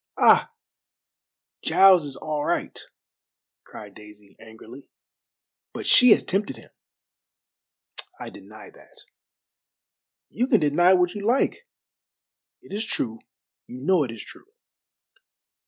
"Ah! Giles is all right," cried Daisy angrily, "but she has tempted him." "I deny that." "You can deny what you like. It is true, you know it is true."